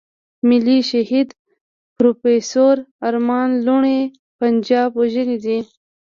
ملي شهيد پروفېسور ارمان لوڼی پنجاب وژلی دی.